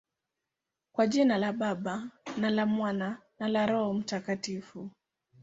Kwa jina la Baba, na la Mwana, na la Roho Mtakatifu.